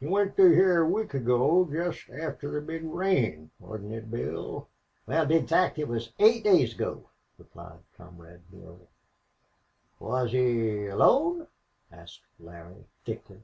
He went through hyar a week ago jest after the big rain, wasn't it, Bill?" "Wal, to be exact it was eight days ago," replied the comrade Bill. "Was he alone?" asked Larry, thickly.